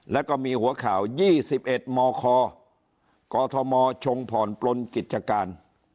แล้วก็มีหัวข่าว๒๑มคกทมชงผ่อนปลนกิจการ